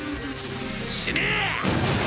死ね！